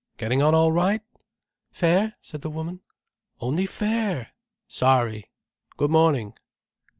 Getting on all right?" "Fair," said the woman. "Only fair! Sorry. Good morning."